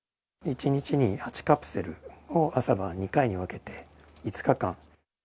１日に８カプセルを朝晩２回に分けて５日間。